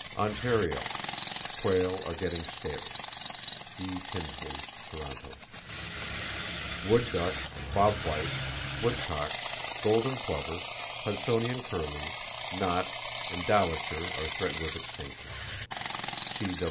Ontario: Quail are getting scarce.—(E. Tinsley, Toronto.) Wood duck, bob white, woodcock, golden plover, Hudsonian curlew, knot and dowitcher [are threatened with extinction.